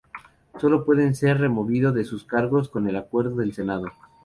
Sólo pueden ser removido de sus cargos con acuerdo del Senado.